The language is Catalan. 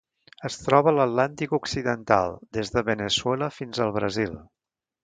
Es troba a l'Atlàntic occidental: des de Veneçuela fins al Brasil.